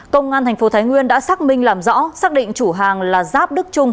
công an tp thái nguyên đã xác minh làm rõ xác định chủ hàng là giáp đức trung